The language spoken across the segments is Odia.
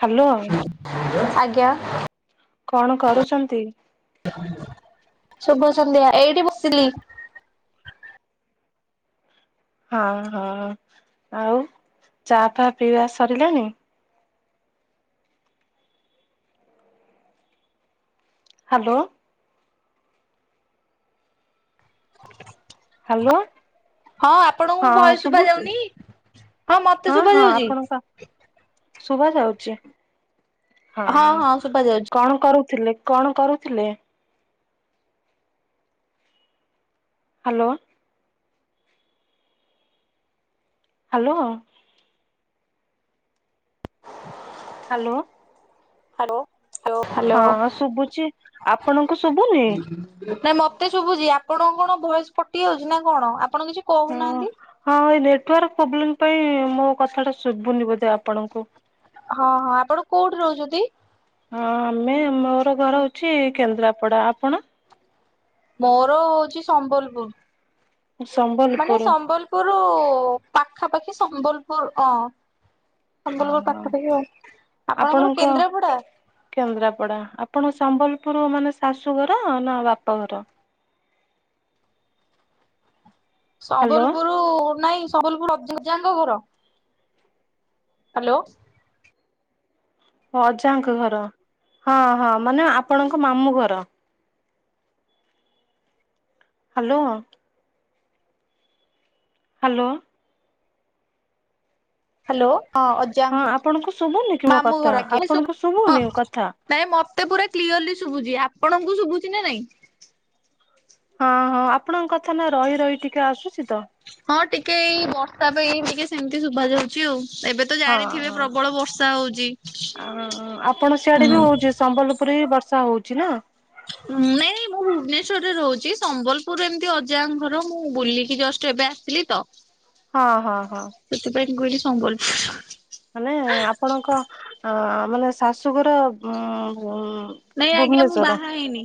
ହ୍ୟାଲୋ। ଆଜ୍ଞା। କଣ କରୁଛନ୍ତି? ଶୁଭ ସନ୍ଧ୍ୟା। ଏଇଠି ବସିଲି। ହଁ ହଁ ଆଉ ଚା ଫ ପିଇବା ସରିଲାଣି? ହ୍ୟାଲୋ। [inaudible] ହ୍ୟାଲୋ, ହଁ ଆପଣଙ୍କୁ ମୋ ହଁ ଭଏସ ଶୁଭା ଶୁଭୁଚି? ଯାଉନି ମତେ ହଁ ଶୁଭା ହଁ ଯାଉଛି। ଆପଣଙ୍କ ଶୁଭାଯାଉଚି? ହଁ କଣ କରୁଥିଲେ କଣ କରୁଥିଲେ? ହାଲୋ? ହାଲୋ। Hello hello. ହଁ ହଁ ଶୁଭୁଛି, ଆପଣଙ୍କୁ ଶୁଭୁନି? ନାଇଁ ମତେ ଶୁଭୁଚି, ଆପଣଙ୍କୁ କଣ ଭଏସ୍ କଟି ଯାଉଛି ନା କଣ ଆପଣ କିଛି ହଁ କହୁନାହାନ୍ତି? ହଁ ଏଇ ନେଟୱାର୍କ ପ୍ରୋବ୍ଲେମ ପାଇଁ ମୋ କଥାଟା ଶୁଭୁନି ବୋଧେ ଆପଣଙ୍କୁ। ହଁ ହଁ ଆପଣ କୋଉଠି ରହୁଛନ୍ତି? ହଁ ଆମେ ମୋର ଘର ହଉଛି କେନ୍ଦ୍ରାପଡା, ଆପଣ? ମୋର ହଉଛି ସମ୍ବଲପୁର। ସମ୍ବଲ୍ ମାନେ ସମ୍ବଲପୁର ପାଖାପାଖି ସମ୍ବଲପୁର ଅଁ। ହଁ ସମ୍ବଲପୁର ହଁ ପାଖାପାଖି ଆଉ, ଆପଣଙ୍କର ଆପଣଙ୍କ କେନ୍ଦ୍ରାପଡା? କେନ୍ଦ୍ରାପଡା, ଆପଣ ସମ୍ବଲପୁର ମାନେ ଶାଶୁଘର ନା ବାପଘର? ହ୍ୟାଲୋ ସମ୍ବଲପୁର ନାଇଁ ସମ୍ବଲପୁର [unintelligible] ଙ୍କ ଘର। ହାଲୋ। ଅଜାଙ୍କ ଘର, ହଁ ହଁ ମାନେ ଆପଣଙ୍କ ମାମୁଁଘର। ହାଲୋ। ହାଲୋ। ହାଲୋ ହଁ ଅଜାଙ୍କ ହଁ ଆପଣଙ୍କୁ ଶୁଭୁନି କି ମୋ ମାମୁଁ କଥା, ଘର ଆଜ୍ଞା। ଆପଣଙ୍କୁ ହଁ ଶୁଭୁନି କଥା? ନାଇଁ ମତେ ପୁରା କ୍ଲିୟରଲି ଶୁଭୁଛି ଆପଣଙ୍କୁ ଶୁଭୁଛି ନା ନାଇଁ? ହଁ ହଁ ଆପଣଙ୍କ କଥାନା ରହି ରହି ଟିକେ ଆସୁଛି ତ। ହଁ ଟିକେ ଏଇ ବର୍ଷା ପାଇଁ ଟିକେ ସେମିତି ଶୁଭା ଯାଉଛି ଆଉ, ଏବେ ତ ହଁ, ଜାଣିଥିବେ ହଁ, ପ୍ରବଳ ବର୍ଷା ହଉଛି। ଆ ହଁ ହଁ, ଆପଣ ହୁଁ। ସିଆଡେ ବି ନାଇଁ ହଉଛି ସମ୍ବଲପୁରରେ ବି ବର୍ଷା ହଉଛି ନା? ଉଁ ନାଇଁ ନାଇଁ ମୁ ମୁଁ ଭୁବନେଶ୍ୱଵରରେ ରହୁଛି ସମ୍ବଲପୁର ଏମିତି ଅଜାଙ୍କ ଘର ମୁଁ ବୁଲିକି ଜଷ୍ଟ ଏବେ ଆସିଲି ତ। [inaudible] ହଁ, ହଁ, ହଁ। ସେଥିପାଇଁ ମୁ କହିଲି ସମ୍ବଲପୁର। ମାନେ ଆପଣଙ୍କ ଅ ମାନେ ଶାଶୁଘର ଉଁ [unintelligible] ନାଇଁ ଆଜ୍ଞା ମୁଁ ବାହା ହେଇନି,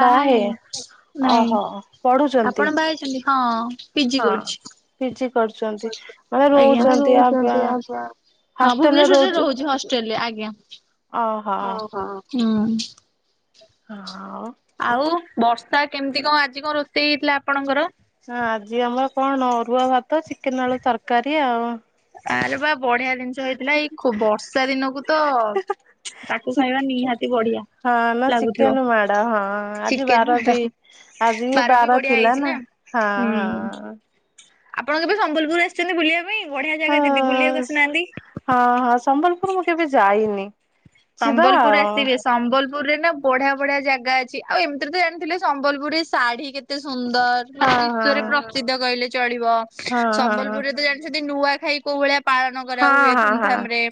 ବାହା ବାହେ ହେଇନି ନାଇଁ, ଓହୋ ପଢୁଛନ୍ତି ଆପଣ ବାହା ହେଇଛନ୍ତି? ହଁ ପିଜି କରୁଛି। ହଁ [unintelligible] କରୁଛନ୍ତି, ମାନେ ଆଜ୍ଞା। ରହୁଛନ୍ତି ଆ ଆଜ୍ଞା। ହଷ୍ଟେଲରେ ରହୁଚି। ଚୋଲି ଆଜ୍ଞା, ଓଉ ହଁ, ହୁଁ। [unintelligible] ଆଉ ବର୍ଷା କେମିତି କଣ ଆଜି କଣ ରୋଷେଇ ହେଇଥିଲା ଆପଣଙ୍କର? ହଁ ଆଜି ଆମର କଣ ନ ଅରୁଆ ଭାତ, ଚିକେନ ଆଳୁ ତରକାରୀ ଆଉ। ଆରେ ବାଃ ବଢିଆ ଜିନିଷ ହେଇଥିଲା ଏଇ ଖୋ ବର୍ଷା ଦିନକୁ ତ ତାକୁ ଚିକ୍ ଖାଇବା ନିହାତି ବଢିଆ। ହଁ ନା ଲାଗୁଥିବ ଶିକେନ ମା ହଁ ଆଜି ଚିକେନ ବାର ମାଡ ବି ଆଜି ବି ବାର ଥିଲା ନା ହଁ ହୁଁ ହଁ। ଆପଣ ପା ସମ୍ବଲପୁର ଆସିଛନ୍ତି ବୁଲିବା ପାଇଁ ବଢିଆ ହଁ ଜାଗା ଦିଦି ବୁଲିବାକୁ ବସିନାହାନ୍ତି। ହଁ ହଁ ସମ୍ବଲପୁର ମୁଁ କେବେ ଯାଇନି। ଯିବା ସମ୍ବଲପୁର ଆଉ ଆସିବେ ସମ୍ବଲପୁରରେ ନା ବଢିଆ ବଢିଆ ଜାଗା ଅଛି ଆଉ ଏମିତି ତ ଜାଣିଥିଲେ ସମ୍ବଲପୁରରେ ଶାଢୀ କେତେ ହଁ ହଁ ସୁନ୍ଦର କହିଲେ ଚଳିବ ହଁ ସମ୍ବଲପୁରରେ ହଁ ତ ଜାଣିଛନ୍ତିଛନ୍ତିି ନୂଆ ଖାଇ କୋଉ ଭଳିଆ ପାଳନ କରାହୁଏ ହଁ ହଁ ହଁ ଧୁମଧାମ ରେ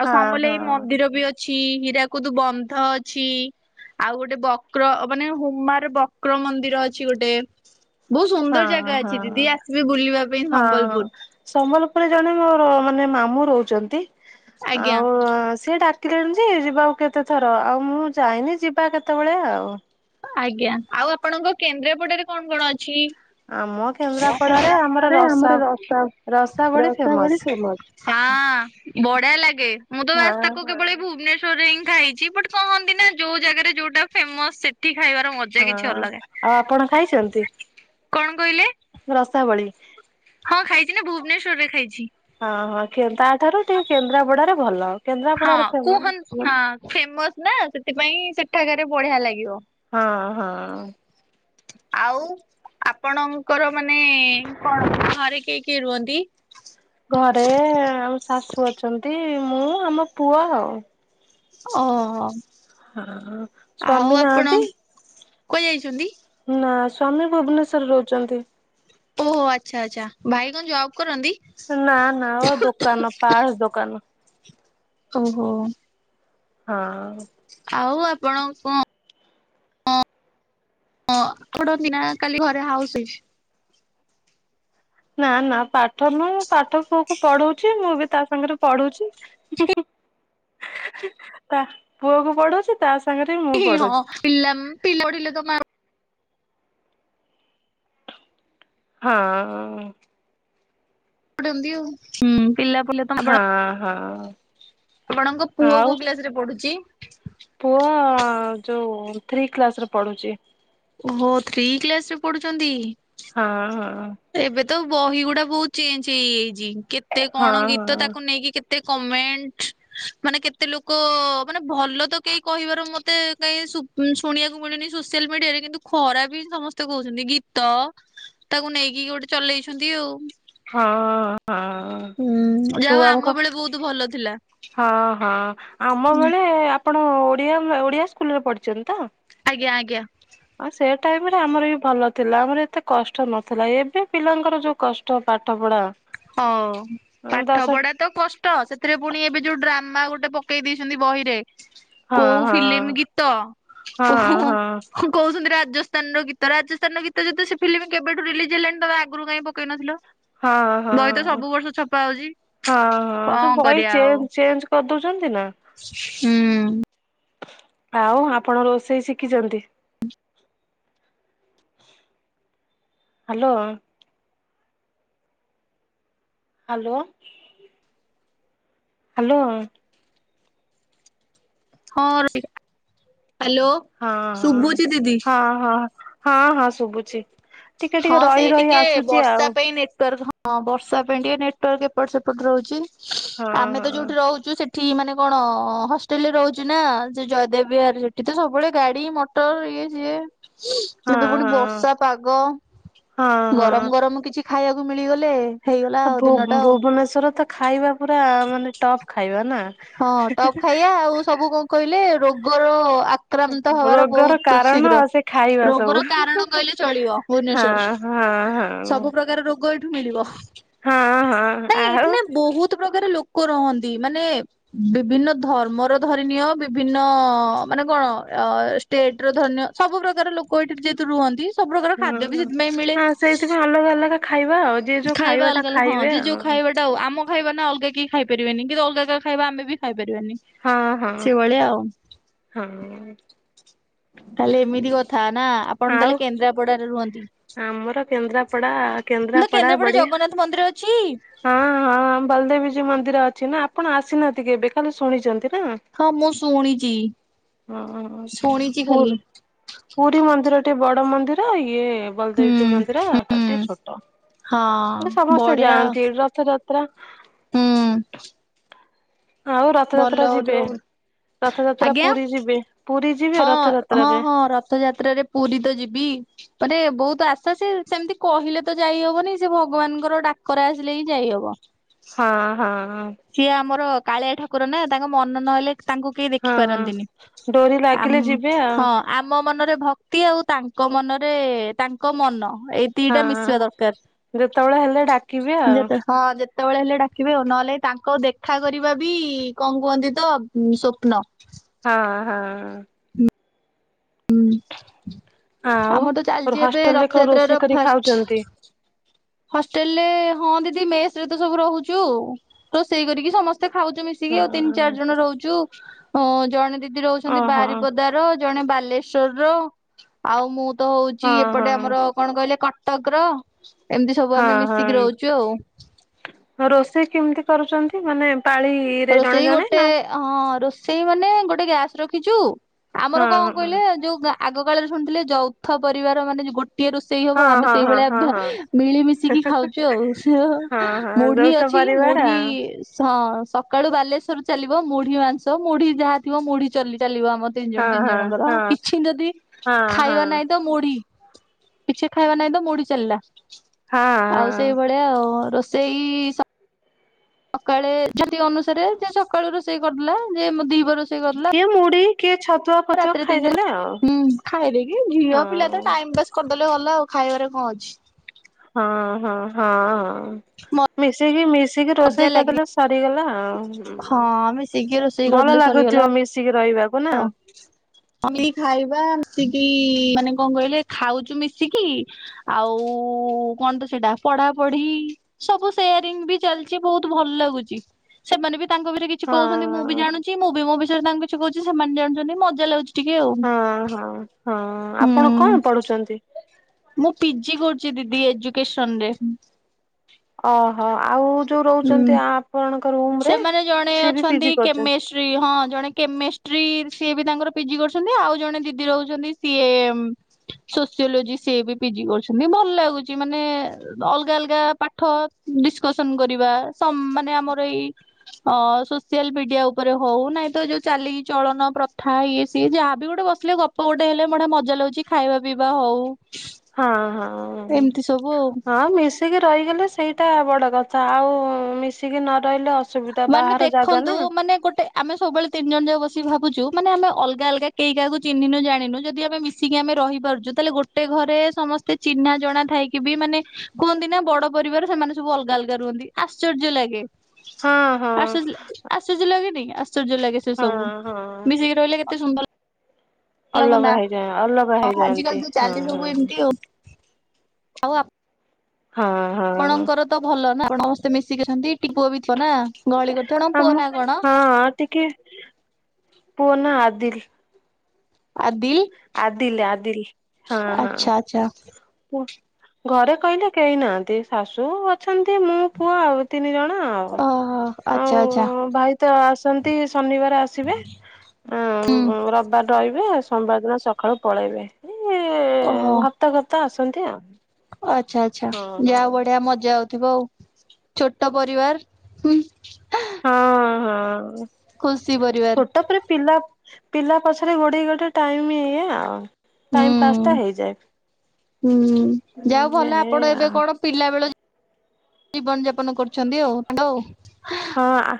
ଆଉ ହଁ। ସମଲେଏଇ ମନ୍ଦିର ବି ଅ ଅଛି ହୀରାକୁଦୁ ବନ୍ଧ ଅଛି। ଆଉ ଗୋଟେ ବକ୍ର ମାନେ ହୁମାର ବକ୍ର ମନ୍ଦିର ଅଛି ଗୋଟେ। ବହୁତ ହଁ ସୁନ୍ଦର ହଁ। ଜାଗା ଅଛି ଦିଦି ହଁ। ଆସିବେ ବୁଲିବା ପାଇଁ ହଁ ସମ୍ବଲପୁର। ସମ୍ବଲପୁରରେ ଜଣେ ମୋ ମାନେ ମାମୁଁ ରହୁଛନ୍ତି ଆଜ୍ଞା। ଆଉ ସେଏ ଡା ଲେଣିଛି ଯିବାକୁ କେତେ ଥର ଆଉ ମୁଁ ଯାଇନି ଯିବା କେତେବେଳେ ଆଉ? ଆଜ୍ଞା ଆଉ ଆପଣଙ୍କ କେନ୍ଦ୍ରାପଡ଼ାରେ କଣ କଣ ଅଛି? କେନ୍ଦ୍ରାପଡାରେ ଆମର ରସା ରସାବଳି ଫେମସ ହଁ ବଢିଆ ଲାଗେ ମୁଁ ତସ ହଁ ତାକୁ କେବଳ ଭୁବନେଶ ଭୁବନେଶ୍ୱରରେ ହିଁ ଖାଇଛି ବଟ୍ କହନ୍ତି ନା ଯୋଉ ଜାଗାରେ ଯୋଉଟା ଫେମସ ସେଠି ଖାଇବାର ମଜା ହଁ କିଛି ଅଲଗା। ଆଉ ଆପଣ ଖାଇଛନ୍ତି? କଣ କହିଲେ ରସାବଳି ହଁ ଖାଇଛି ନା ଭୁବନେଶ୍ଵରରେ ଖାଇଛି। ହଁ ହଁ ତାଠାରୁ ଟିକେ କେନ୍ଦ୍ରାପଡାରେ ଭଲ। ହଁ କେନ୍ଦ୍ରାପଡାରେ କୁହ ଫେମସ। ହ ଫେମସ ନା ସେଥିପାଇଁ ସେଠାଗାରେ ବଢିଆ ଲାଗିବ। ହଁ ହଁ। ଆଉ ଆପଣଙ୍କର ମାନେ କଣ ଘରେ କିଏ କିଏ ରୁହନ୍ତି? ଘରେ ଆମ ଶାଶୁ ଅଛନ୍ତି ମୁଁ ଆମ ପୁଅ ଆଉ। ଓହୋ ହଁ ଆଉ ସ୍ଵାମୀ ଆପଣ ନାହାନ୍ତି। କୁଆଡେ ଯାଇଛନ୍ତି? ନା ସ୍ଵାମୀ ଭୁବନେଶ୍ଵରରେ ରହୁଛନ୍ତି। ଓହୋ ଆଚ୍ଛା ଆଚ୍ଛା ଭାଇ କଣ ଜବ୍ କରନ୍ତି? ନା ନା ଦୋକାନ ପାସ୍ ଦୋକାନ। ଓହୋ। ହଁ। ଆଉ ଆପଣ କଣ? ହଁ ଆପଣ ସିନା କାଲି ଘରେ ହାଉସ ୱାଇଫ? ନା ନା ପାଠ ମୁଁ ପାଠ ପୁଅକୁ ପଢଉଛି ମୁଁ ବି ତା ସାଙ୍ଗରେ ପଢୁଛି। ତା ପୁଅକୁ ପଢଉଛି ତା ସାଙ୍ଗରେ ବି ମୁଁ ପଢୁଛି। ପିଲମ୍ ପିଲଡ଼ିଲ ତ ହଁ। ଆଉ ପିଲା ପ ଆପଣ ହଁ ହଁ ଆପଣଙ୍କ ପୁଅ ଆଉ କୋଉ କ୍ଲାସରେ ପଢୁଛି? ପୁଅ ଯୋଉ ଥ୍ରୀ କ୍ଲାସରେ ପଢୁଛି। ଓହୋ ଥ୍ରୀ କ୍ଲାସରେ ପଢୁଛନ୍ତି। ହଁ ହଁ। ଏବେ ତ ବହି ଗୁଡା ବହୁତ ଚେଞ୍ଜ ହେଇଯାଇଛି। କେତେ ହଁ କଣ ଗୀତ ତାକୁ ନେଇକି କେତେ କେତେ କମେଣ୍ଟ ମାନେ କେତେ ଲୋକ ମାନେ ଭଲ ତ କେହି କହିବାର ମତେ କାଇ ସୁବୁ ଶୁଣିବାକୁ ମିଳୁନି ସୋସିଆଲ ମିଡିଆରେ କିନ୍ତୁ ଖରାପ ବି ସମସ୍ତେ କହୁଛନ୍ତି, ଗୀତ ତାକୁ ନେଇକି ଗୋଟେ ଚଲେଇଛନ୍ତି ଆଉ। ହଁ ହଁ। ହୁଁ ଯାହା ହଉ ଆମ ଛୁଆଙ୍କ ବେଳେ ବହୁତ ଭଲ ଥିଲା ହଁ ହଁ ଆମ ବେଳେ ଆପଣ ଓଡିଆ ଓଡିଆ ସ୍କୁଲରେ ପଢିଛନ୍ତି ତ? ଆଜ୍ଞା ଆଜ୍ଞା। ଆଉ ସେ ଟାଇମରେ ଆମର ବି ଭଲ ଥିଲା, ଆମର ଏତେ କଷ୍ଟ ନଥିଲା, ଏବେ ପିଲାଙ୍କର ଯୋଉ କ ଷ୍ଟ ପାଠ ପଢା। ହଁ ପାଠ ଦଶ ପଢା ତ କଷ୍ଟ, ସେଥିରେ ପୁଣି ଏବେ ଯୋଉ ଡ୍ରାମା ଗୋଟେ ପକେଇ ଦେଇଛନ୍ତି ବହିରେ ହଁ କୋଉ ହଁ ଫିଲ୍ମ ଗୀତ ହଁ କୋହୁ ହଁ କହୁଛନ୍ତି ରାଜସ୍ଥାନର ଗୀତ, ରାଜସ୍ଥାନର ଗୀତ ଯଦି ସେ ଫିଲ୍ମ କେବେଠୁ ରିଲିଜ ହେଲାଣି ତମେ ଆଗରୁ କାଇଁ ପକେଇ ନଥିଲ। ହଁ ହଁ। ବହି ତ ସବୁ ବର୍ଷ ଛପା ହଉଛି। ହଁ ହଁ କଣ ସେ ବହି କରିବା ଆଉ ଚେଜ ଚେଞ୍ଜ କରିଦଉଛନ୍ତି ନା। ହୁଁ ଆଉ ଆପଣ ରୋଷେଇ ଶିଖିଛନ୍ତି? ହ୍ୟାଲୋ। ହ୍ୟାଲୋ। ହ୍ୟାଲୋ। ହଁ ରୁଷି ହ୍ୟାଲୋ। ହଁ ହଁ ଶୁଭୁଛି ଦିଦି। ହଁ ହଁ ହଁ ହଁ ଶୁଭୁଛି। ଟିକେ ହଁ ଟିକେ ରହି ସେଇ ରହି ଟିକେ ଆସୁଛି ବର୍ଷା ଆଉ ପାଇଁ ନେଟାର୍କ ହଁ ବର୍ଷା ପାଇଁ ଟିକେ ନେଟୱାର୍କ ଏପଟ ସେପଟ ରହୁଛି, ହଁ ଆମେ ତ ଯୋଉଠି ରହୁଛୁ ସେ ଠି ମାନେ କଣ ହଷ୍ଟେଲରେ ରହୁଛି ନା, ସେ ଜୟଦେବ ବିହାର, ସେଠି ତ ସବୁବେଳେ ଗାଡି, ମଟ [unintelligible] ହଁ ଏବେ ହଁ ପୁଣି ହଁ ବର୍ଷା ପାଗ। ହଁ ହଁ ଗରମ ଗରମ କିଛି ଖାଇବାକୁ ମିଳିଗଲେ ହେଇଗଲା ଆଉ ଭୁ ଦିନଟା ଆଉ। ଭୁବନେଶ୍ୱର ତ ଖାଇବା ପୁରା ମାନେ ଟପ ଖାଇବା ନା। ହଁ ଟପ୍ ଖାଇବା ଆଉ ସବୁ କଣ କହିଲେ ରୋଗର ଆକ୍ରାନ୍ତ ହବାର ରୋଗର ବହୁତ କାରଣ ଶୀଘ୍ର ସେ ଖାଇବା ସବୁ ରୋଗର କାରଣ କହିଲେ ଚଳିବ। ଭୁବନେଶ୍ଵର ହଁ ହଁ ହଁ। ସବୁ ପ୍ରକାର ରୋଗ ଏଇଠୁ ମିଳିବ, ହଁ ହଁ ନାଇଁ ଆଉ ଏଠୁନା ବହୁତ ପ୍ରକାର ଲୋକ ରହନ୍ତି ମାନେ ବିଭିନ୍ନ ଧର୍ମର ଧରିନୀୟ ବିଭିନ୍ନ ମାନେ କଣ ଅ ଷ୍ଟେଟ ର ଧରିନିଅ ସବୁ ପ୍ରକାର ଲୋକ ଏଠି ଯେହେତୁ ରୁହନ୍ତି ସବୁ ପ୍ରକାର ଖାଦ୍ୟ ବି ହୁଁ ସେଥିପାଇଁ ମିଳେ। ହଁ ସେଇଥିପାଇଁ ଅଲଗା ଅଲଗା ଖାଇବା ଆଉ। ଯିଏ ଯୋଉ ଖାଇବା ଟା ଅଲଗା ଅଲଗା ହଁ ଖାଇବେ ଯେ ଆଉ। ଯୋଉ ଖାଇବାଟା ହଉ ଆମ ଖାଇବା ନା ଅଲଗା କି ଖାଇପାରିବେନି କିନ୍ତ ଅଲଗା କା ଖାଇବା ଆମେ ବି ଖାଇ ପାରିବାନି। ହଁ ହଁ ହଁ। ତାହେଲେ ଏମିତି କ ଥା ନା ଆପଣ ଆଉ ତାହେଲେ କେନ୍ଦ୍ରାପଡାରେ ରୁହନ୍ତି। ଆମର କେନ୍ଦ୍ରାପଡା କେନ୍ଦ୍ରାପଡା ବଢିଆ। ଜଗନ୍ନାଥ ମନ୍ଦିର ଅଛି? ହଁ ହଁ ବଳଦେବଜୀଉ ମନ୍ଦିର ଅଛି ନା ଆପଣ ଆସିନାହାନ୍ତି କେବେ, ଖାଲି ଶୁଣିଛନ୍ତି ନା? ହଁ ମୁଁ ଶୁଣିଚି। ଶୁଣିଚି ଖାଲି ଓହୋପୁରୀ ପୁରୀ ମନ୍ଦିର ଟିକେ ବଡ ମନ୍ଦିର ଇଏ ହୁଁ ବଲଦେବ୍ ଯିଉଁ ମନ୍ଦିର ତାଠୁ ହୁଁ ଟିକେ ଛୋଟ ହଁ ଏଠି ସମସ୍ତେ ବଢିଆ ଯାଆନ୍ତିର ତ ଯାତ୍ରା ହୁଁ। ଆଉ ରଥଯାତ୍ରା ଭଲ ଯିବେ ହୋଉଥିବ ରଥଯାତ୍ରା ଆଜ୍ଞା। ପୁରୀ ଯିବେ ପୁରୀ ଯିବେ ହଁ ହଁ ରଥଯାତ୍ରାରେ। ହଁ ରଥଯାତ୍ରାରେ ପୁରୀ ତ ଯିବି। [unintelligible] ବୋହୁତ ଆଶା ସେ ସେମିତି କହିଲେ ତ ଯାଇହବନି ସେ ଭଗବାନଙ୍କର ଡାକରା ଆସିଲେ ହିଁ ଯାଇହବ। ହଁ ହଁ ହଁ। ସିଏ ଆମର କାଳିଆ ଠାକୁର ନା ତାଙ୍କ ମନ ନଲେ ତାଙ୍କୁ କେହି ହଁ ଦେଖିପାରନ୍ତିନି ଡୋରି ଆମ ଲାଗିଲେ ଯିବେ ଆଉ ହଁ। ଆମ ମନରେ ଭକ୍ତି ଆଉ ତାଙ୍କ ମନରେ ତାଙ୍କ ମନ ଏ ଦିଇଟା ହଁ ମିଶିବା ଦରକାରେ ଯେତେବେଳେ ହେଲେ ଡାକିବେ ଆଉ। ଯେ ହଁ ଯେତେବେଳେ ହେଲେ ଡାକିବେ ନହେଲେ ତାଙ୍କ ଦେଖା କରିବା ବି କଣ କୁହନ୍ତି ତ ସ୍ୱପ୍ନ। ହଁ ହଁ। ହୁଁ ଆଉ ଆମର ତ ଚାଲିଚି ଏବେ ହଷ୍ଟେଲ ରେ କଣ ରଥଯାତ୍ରା ରୋଷେଇ ର କରି ଫାଷ୍ଟ ଖାଉଛନ୍ତି? ହଷ୍ଟେଲ ରେ ହଁ ଦିଦି ମେସ ରେ ତ ସବୁ ରହୁଚୁ ରୋଷେଇ କରିକି ସମସ୍ତେ ଖାଉଚୁ ମି ମିସିକି ଆଉ ତିନି ହଁ। ଚାରି ଜଣ ରୋହୁଚୁ ଜଣେ ଦିଦି ରୋ ହୁଚନ୍ତି ଓହୋ ହଁ ବାରିପଦାର ଜଣେ ବାଲେଶ୍ଵରର ଆଉ ମୁଁ ତ ହୋଉଚି ହଁ ଏପଟେ ଆମର ହଁ କଣ କଇଲେ କଟକର ଏମିତି ସବୁ ଆମେ ମିଶିକି ରୋ ହଁ। ହୁଚୁ ଆଉ। ରୋଷେଇ କେମିତି କରୁଚନ୍ତି ମାନେ ପାଳି ରୋଷେଇ ଗୋଟେ ହଁ ରୋଷେଇ ମାନେ ଗୋଟେ ଗ୍ୟାସ ରଖିଚୁ ଆମର ହଁ କଣ ହଁ। କଇଲେ ଯୋଉ ଆଗ କାଳରେ ଶୁଣିଥିଲେ ଯୌଥ ପରିବାର ମାନେ ଗୋଟେ ଗୋଟିଏ ରୋଷେଇ ହବ ହଁ ଆମେ ହଁ ହଁ ସେଇଭଳିଆ ହଁ ହଁ। ମିଳିମିଶିକି ଖାଉଚୂ ଆଉ ସେ ହଁ ହଁ ମୁଢି ଯୌଥ ଅଛି ପରିବାର ମୁଢି ଆଉ। ସସ ସକାଳୁ ବାଲେଶ୍ଵର ଚାଲିବ ମୁଢି ମାଂସ ମୁଢି ଯାହା ଥିବ ମୁଢି ଚାଲିବ ଆମର। ତିନି ଜଣ ହଁ ତିନି ହଁ। ଜଣଙ୍କର ହଁ କିଛି ଯଦି ହଁ ହଁ। ଖାଇବା ନାହିଁ ତ ମୁଢି। କିଛି ଖାଇବା ନାହିଁ ତ ମୁଢ଼ି ଚାଲିଲା ଆଉ ହଁ ସେଇଭଳି ଆ ଆଉ ରୋଷେଇ ସକାଳେ ଛାତି ଅନୁସାରେ ଯେ ସକାଳୁ ରୋଷେଇ କରିଦେଲା ଯେ ଦିିପହର ରୋଶେଇ କିଏ ମୁଢି କିଏ ଛତୁଆ ଫତୁଆ ରାତିରେ ତିନି ଖାଇଦେଲେ ଆଉ। ଜଣଖାଇ ହଁ। ଦେଇକିଝିଅପିଲା ତ ଟାଇମ୍ ପାସ୍ କରିଦେଲେ ଗଲା ଆଉ ଖାଇବାରେ କଣ ଅଛି। ହଁ ହଁ ହଁ ହଁ ମିଶିକି ମିଶିକି ମଜା ରୋଷେଇ ଲାଗେ କରିଦେଲେ ସରିଗଲା। ଆଉ ହଁ ମିଶିକି ରୋଷେଇ ଭଲ କରିଦେଲେ ସରିଗଲା। ଲାଗୁଥିବ ମିଶିକି ରହିବାକୁ ନା? [unintelligible] ଖାଇବା ମିଶିକି ମାନେ କଣ କହିଲେ ଖାଉଚୁ ମିଶିକି ଆଉ କଣ ତ ସେଇଟା ପଢାପଢି ସବୁ ସେୟାରିଙ୍ଗ ବି ଚାଲିଚି ବୋହୁତ ଭଲ ଲାଗୁଚି ସେମାନେ ବି ତାଙ୍କ ଘରେ କି କିଛି ହଁ କୋହୁଛନ୍ତି ମୁଁ ବି ଜାଣୁଚି ମୁଁ ବି ମୋ ବିଷୟରେ ତାଙ୍କୁ କିଛି କୋହୁଚି ସେମାନେ ଜାଣୁଚନ୍ତି ମଜା ଲାଗୁଚି। ଟିକେ ଆଉ ହୁଁ। ହଁ କରୁଚନ୍ତି। ମୁଁ ପିଜି କରୁଚି ଦିଦି ଏଜୁକେସନ ରେ। ଅହୋ ଆଉ ଯୋଉ ହୁଁ। ରୋହୁଚନ୍ତି ଆପଣଙ୍କ ରୁମରେ ସେମାନେ ଜଣେ ସିଏ ବି ଅଛନ୍ତି ପିଜିି କରୁଚନ୍ତି? କେମେଷ୍ଟ୍ରି ହଁ ଜଣେ କେମିଷ୍ଟ୍ରି ସିଏ ବି ତାଙ୍କର ପିଜି କରୁଛନ୍ତି ଆଉ ଜଣେ ଦିଦି ରହୁଚନ୍ତି ସିଏ ସୋସିଓଲୋଜି ସିଏ ବି ପିଜି କରୁଚନ୍ତି ଭଲ ଲାଗୁଚି ମାନେ ଅଲଗା ଅଲଗା ପାଠ ଡିସକସନ କରିବା ମାନେ ଆମର ଏଇ ଅ ସୋସିଆଲ ମିଡିଆ ଉପରେ ହଉ ନାଇଁ ତ ଯୋଉ ଚାଲିି ଚଳନ ପ୍ରଥା ଇଏ ସିଏ ଯାହାବି ଗୋଟେ ବସ। ହେଲେ ଗପ ଗୋଟେ ହେଲେ ବଢ଼ିଆ ମଜା ଲାଗୁଛି ଖାଇବା, ପିଇବା ହଉ। ହଁ, ହଁ, ହଁ, ଏମିତି ସବୁ ଆଉ। ହଁ ମିସି। ମିଶିକି ରହିଗଲେ ସେଇଟା ବଡ଼ କଥା ଆଉ ମିଶିକି ନ ରହିଲେ ଅସୁ। ମାନେ ଦେଖନ୍ତୁ ମାନେ ଗୋଟେ। ଆମେ ସବୁବେଳେ ତିନି ଜଣ ଯାକ ବସିକି ଭାବୁଛୁ ମାନେ ଆମେ ଅଲଗା, ଅଲଗା କେହିକାହାକୁ ଚିହ୍ନିନୁ ଜାଣିନୁ ଯଦି ଆମେ ମିଶୁ। ଆସିକି ଆମେ ରହିପାରୁଛୁ ତାହେଲେ ଗୋଟେ ଘରେ ସମସ୍ତେ ଚିହ୍ନା ଜଣା ଥାଇକି ବି ମାନେ। କୁହନ୍ତି ନା ବଡ ପରିବାର ସେମାନେ ସବୁ ଅଲଗା, ଅଲଗା ରୁହନ୍ତି ଆଶ୍ଚର୍ଯ୍ୟ ଲାଗେ। ହଁ। ହଁ ଆଶ୍ଚର୍ଯ୍ୟ ଲାଗେ ଆଶ୍ଚର୍ଯ୍ୟ ଲାଗେନି ଆଶ୍ଚର୍ଯ୍ୟ ଲାଗେ ସେ ହଁ ସବୁ ହଁ ମିଶିକି ରହିଲେ କେତେ ସୁନ୍ଦର ଲ। ହେଲେ ଭଲ ଅଲଗା ହେଇଯା ଅଲଗା ଲାଗନ୍ତା ଆଜି ହେଇଯାଆନ୍ତି କାଲି ତ ହଁ ଚାଲି ସବୁ ଏମିତି ହଁ ହଉ ଆଉ ଆ। ହଁ। ହଁ ଆପଣଙ୍କର ତ ଭଲ ନା ଆପଣ ସମସ୍ତେ ମିଶିକି ଅଛନ୍ତି ଟିପ ପୁଅ ଥିବ ନା। ଗହଳି କରୁଥିବ ଆପଣଙ୍କ ପୁଅ ଆମ ନା କଣ ହଁ ଟିକେ ପୁଅ ନା ଆଦିଲ୍। ଆଦିଲ୍। ଆଦିଲ୍, ଆଦିଲ୍ ହଁ, ହଁ। [unintelligible] ପୁଅ ଘରେ କହିଲେ କେହି ନାହାନ୍ତି ଶାଶୁ ଅଛନ୍ତି ମୁଁ ପୁଅ ଆଉ ତିନି ଜଣ ଆଉ। ଓହୋ ହଁ ଆଚ୍ଛା ଆଚ୍ଛା। ଆଉ ଭାଇ। ତ ଆସନ୍ତି ଶନିବାର ଆସିବେ ଉଁ ହୁଁ ରବିବାର ରହିବେ ଆସ। ସୋମବାର ଦିନ ସକାଳୁ ପଳେଇବେ ଏଇ ଓହୋ ହପ୍ ହପ୍ତା ଆସନ୍ତି ଆଉ। ଆଚ୍ଛା, ଆଚ୍ଛା ହଁ ହଁ। ଯାହା ବଢିଆ ମଜା ହଉଥିବ ଆଉ ଛୋଟ ପରିବାର ହୁଁ। ହଁ ହଁ ଖୁସି ପରିବାର ଛୋଟ ପରେ ପିଲା। ପିଲା ପଛରେ ଗୋଡେଇ, ଗୋଡେଇ ଟାଇମି ଏୟା ଆଉ। ଟାଇମି ପାସ୍ ଟା ହୁଁ। ହେଇଯାଏ ହୁଁ ଯାହା ହଉ ଭଲ ରେ ଆପଣ ଆ। ଏବେ କଣ ପିଲା ବେଳ ଜୀବନ ଯାପନ କରୁଛନ୍ତି ଆଉ, ଆଉ। ହଁ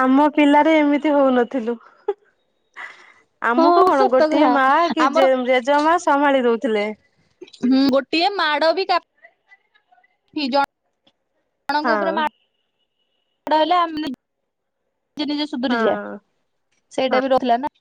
ଆମ ପିଲାରେ ଏମିତି ହଉନଥିଲୁ। ହଁ ଆମୁକୁ କ'ଣ ସତ ଗୋଟିଏ କଥା ମା କି ଆମର ଜେ ଜେଜେମା ସମ୍ଭାଳି ଦଉଥିଲେ। ହୁଁ ଗୋଟିଏ ମାଡ ବି କା ଫି ଜଣଙ୍କ ହଁ ଉପରେ ମାଡ। ମାଡ ହେଲେ ଆମ ନିଜେ, ନିଜେ ସୁଧୁରି ଯିବା। ହଁ। ସେଇଟା ବି ରଖିଲା ନା।